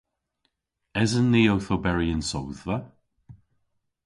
Esen ni owth oberi y'n sodhva?